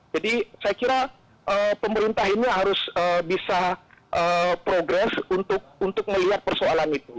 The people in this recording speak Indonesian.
jadi saya kira pemerintah ini harus bisa progress untuk melihat persoalan itu